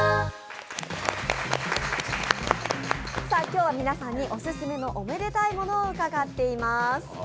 今日は皆さんにオススメのおめでたいものを伺っています。